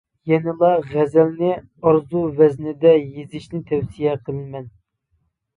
يەنىلا غەزەلنى ئارۇز ۋەزىندە يېزىشىنى تەۋسىيە قىلىمەن!